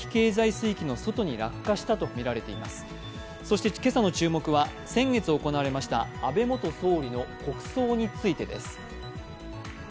そして今朝の注目は先日行われました安倍元総理の国葬についてです。